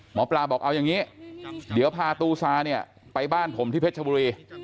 หมอปลาบอกเอาอย่างนี้เดี๋ยวพาตูซาเนี่ยไปบ้านผมที่เพชรชบุรี